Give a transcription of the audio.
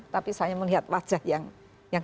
tapi saya melihat wajah yang